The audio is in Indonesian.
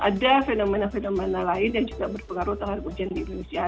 ada fenomena fenomena lain yang juga berpengaruh terhadap hujan di indonesia